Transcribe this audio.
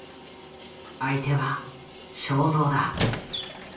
相手は正蔵だ。